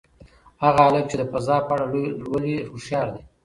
هغه هلک چې د فضا په اړه لولي هوښیار دی.